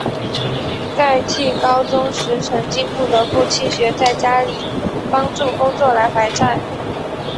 盖茨高中时曾经不得不弃学在家里帮助工作来还债。